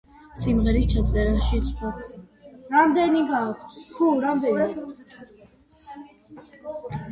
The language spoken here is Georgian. სიმღერის ჩაწერაში სხვა ცნობილმა მომღერლებმაც მიიღეს მონაწილეობა.